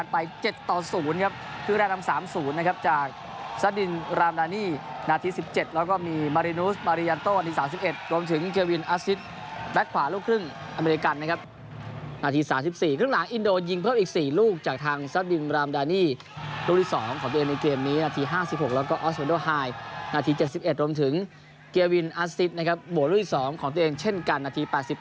โบราณฤทธิ์สองของตัวเองเช่นกันนาที๘๘